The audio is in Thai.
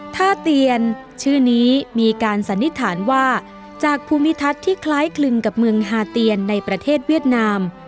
เตียนชื่อนี้มีการสันนิษฐานว่าจากภูมิทัศน์ที่คล้ายคลึงกับเมืองฮาเตียนในประเทศเวียดนาม